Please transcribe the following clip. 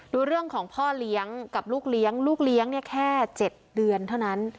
ดูเรื่องของพ่อเลี้ยงกับลูกเลี้ยงลูกเลี้ยงเนี่ยแค่๗เดือนเท่านั้น